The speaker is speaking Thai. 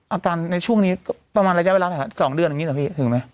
อาการในช่วงนี้ก็ประมาณระยะเวลาแหละสองเดือนแบบนี้หรอพี่ถึงไหม